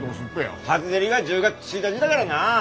初競りが１０月１日だからなあ。